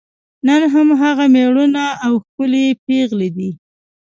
نن هم هغه میړونه او ښکلي پېغلې دي.